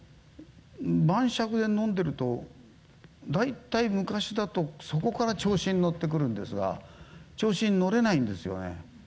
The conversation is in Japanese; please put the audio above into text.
晩酌で飲んでると、大体昔だとそこから調子に乗ってくるんですが、調子に乗れないんですよね。